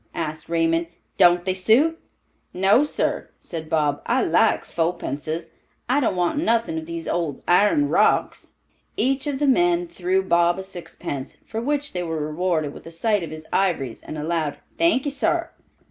asked Raymond. "Don't they suit?" "No, sir," said Bob. "I like fopences; I don't want nothin' of these old iron rocks." Each of the men threw Bob a sixpence, for which they were rewarded with a sight of his ivories and a loud "thank ee sar."